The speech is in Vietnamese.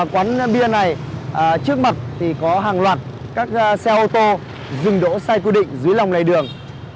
quán bia này trước mặt thì có hàng loạt các xe ô tô dừng đỗ sai quy định dưới lòng lề đường